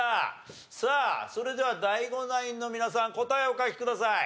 さあそれではＤＡＩＧＯナインの皆さん答えをお書きください。